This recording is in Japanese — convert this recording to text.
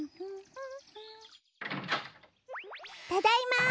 ただいま！